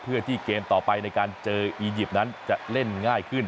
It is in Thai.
เพื่อที่เกมต่อไปในการเจออียิปต์นั้นจะเล่นง่ายขึ้น